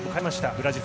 ブラジル。